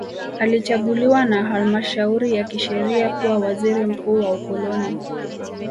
Alichaguliwa na halmashauri ya kisheria kuwa waziri mkuu wa ukoloni